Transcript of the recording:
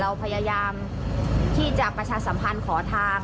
เราพยายามที่จะประชาสัมพันธ์ขอทาง